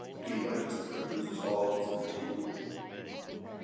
He writes and produces all his material.